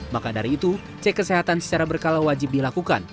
maka dari itu cek kesehatan secara berkala wajib dilakukan